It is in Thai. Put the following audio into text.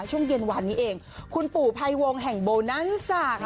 ช่วงเย็นวานนี้เองคุณปู่ภัยวงแห่งโบนัสจาก